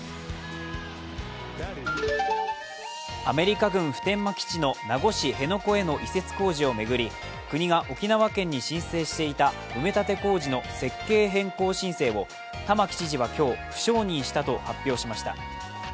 アメリカ軍普天間基地の名護市辺野古への移設工事を巡り、国が沖縄県に申請していた埋め立て工事の設計変更申請を玉城知事は今日、不承認したと発表しました。